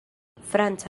franca